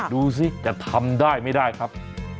ดูสิจะทำได้ไม่ได้ครับ